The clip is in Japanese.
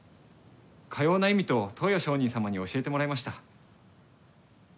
かような意味と登譽上人様に教えてもらいました。